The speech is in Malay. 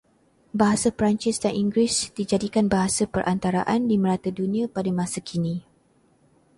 Bahasa Perancis dan Inggeris dijadikan bahasa perantaraan di merata dunia pada masa kini